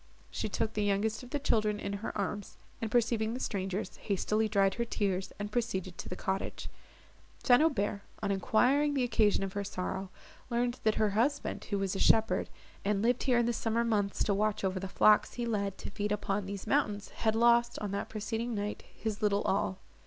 She took the youngest of the children in her arms, and, perceiving the strangers, hastily dried her tears, and proceeded to the cottage. St. Aubert, on enquiring the occasion of her sorrow, learned that her husband, who was a shepherd, and lived here in the summer months to watch over the flocks he led to feed upon these mountains, had lost, on the preceding night, his little all.